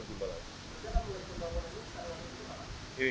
bagaimana kebangunan anda setahun ini